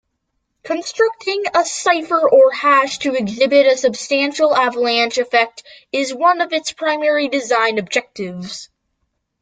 Constructing a cipher or hash to exhibit a substantial avalanche effect is one of its primary design objectives.